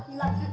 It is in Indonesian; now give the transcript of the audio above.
eh balik eh